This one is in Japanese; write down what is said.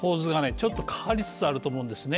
ちょっと変わりつつあると思うんですね